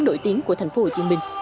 nổi tiếng của thành phố hồ chí minh